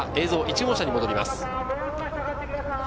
１号車に戻ります。